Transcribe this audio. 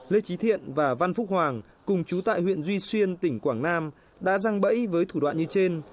lê trí thiện và văn phúc hoàng cùng chú tại huyện duy xuyên tỉnh quảng nam đã răng bẫy với thủ đoạn như trên